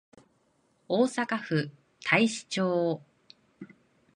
大阪府太子町